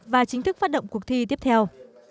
và chính thức phát động cuộc thi tiếp theo